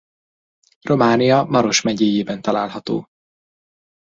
Románia Maros megyéjében található.